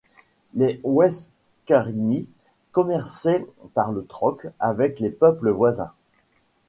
Les Oueskarinis commerçaient par le troc avec les peuples voisins.